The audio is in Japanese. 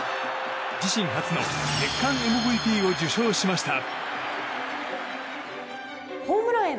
自身初の月間ＭＶＰを受賞しました。